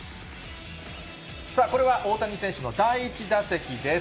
さあ、これは大谷選手の第１打席です。